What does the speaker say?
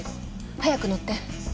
早く乗って。